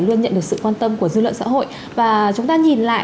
luôn nhận được sự quan tâm của dư luận xã hội và chúng ta nhìn lại